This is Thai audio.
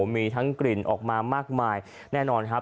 มีทั้งกลิ่นออกมามากมายแน่นอนครับ